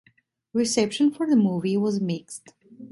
Reception for the movie was mixed.